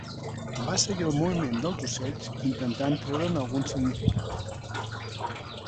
Va seguir el moviment dels ocells, intentant treure'n algun significat.